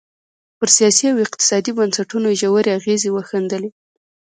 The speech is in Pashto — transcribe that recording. پر سیاسي او اقتصادي بنسټونو یې ژورې اغېزې وښندلې.